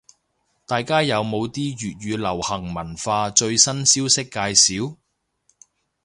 大家有冇啲粵語流行文化最新消息介紹？